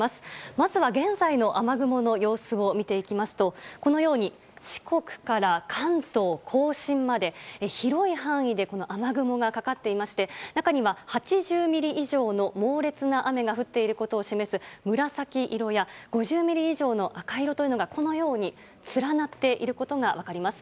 まずは現在の雨雲の様子を見ていきますとこのように四国から関東・甲信まで広い範囲で雨雲がかかっていまして中には８０ミリ以上の猛烈な雨が降っていることを示す紫色や５０ミリ以上の赤色というのがこのように連なっていることが分かります。